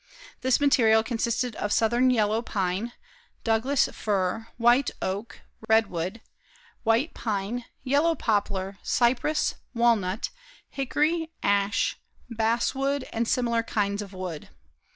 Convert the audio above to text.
This material consisted of Southern yellow pine, Douglas fir, white oak, redwood, white pine, yellow poplar, cypress, walnut, hickory, ash, basswood and similar kinds of wood.